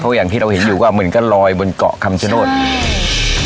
เพราะอย่างที่เราเห็นอยู่ว่าเหมือนก็ลอยบนเกาะคำชะโนธใช่